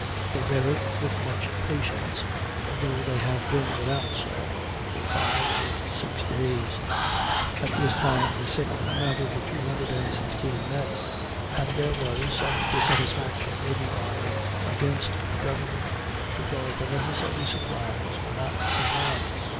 They bear it with much patience, although they have been without salt for five or six days." At this time the sick amounted to two hundred and sixteen men, and there was some dissatisfaction in the army against the government because the necessary supplies were not sent on.